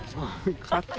勝った。